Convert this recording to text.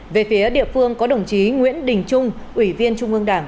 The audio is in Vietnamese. về phía địa phương có đồng chí nguyễn đình trung ủy viên trung ương đảng